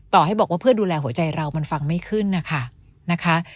ต่อให้บอกว่าเพื่อดูแลหัวใจเรามันฟังไม่ขึ้นนะคะ